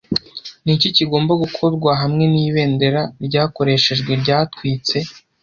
Niki kigomba gukorwa hamwe nibendera ryakoreshejwe ryatwitse